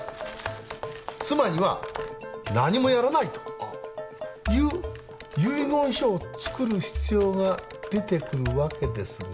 妻には何もやらないという遺言書を作る必要が出てくるわけですが。